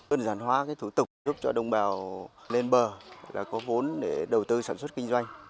dần dàn hóa thủ tục giúp cho đồng bào lên bờ có vốn để đầu tư sản xuất kinh doanh